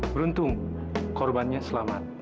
beruntung korbannya selamat